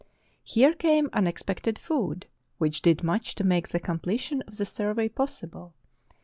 Here came unexpected food, which did much to make the completion of the survey possible.